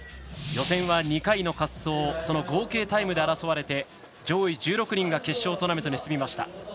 予選は２回の滑走その合計タイムで争われて上位１６人が決勝トーナメントに進みました。